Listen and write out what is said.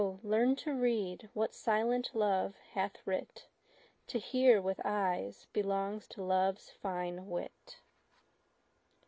learn to read what silent love hath writ: To hear with eyes belongs to love's fine wit.